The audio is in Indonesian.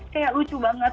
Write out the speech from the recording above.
kayak lucu banget